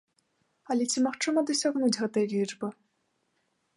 Але ці магчыма дасягнуць гэтай лічбы?